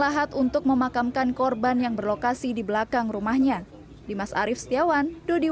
lahat untuk memakamkan korban yang berlokasi di belakang rumahnya dimas arief setiawan dodi